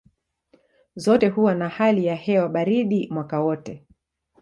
Zote huwa na hali ya hewa baridi mwaka wote.